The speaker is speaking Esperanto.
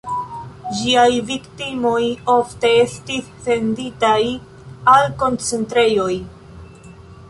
Ĝiaj viktimoj ofte estis senditaj al koncentrejoj.